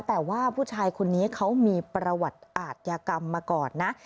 แต่ว่าผู้ชายคนนี้เขามีประวัติอาทยากรรมมาก่อนนะ